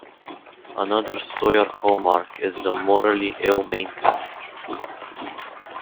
Another Sawyer hallmark is the mortally ill main character.